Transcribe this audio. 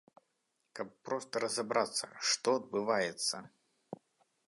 Каб проста разабрацца, што адбываецца.